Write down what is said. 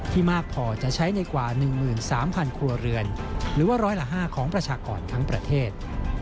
มากพอจะใช้ในกว่า๑๓๐๐ครัวเรือนหรือว่าร้อยละ๕ของประชากรทั้งประเทศ